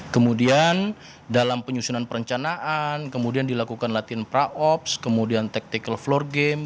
kemudian dalam penyusunan perencanaan kemudian dilakukan latihan praops kemudian tactical floor game